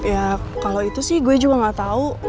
ya kalo itu sih gue juga gak tau